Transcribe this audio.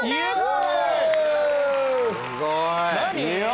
すごい。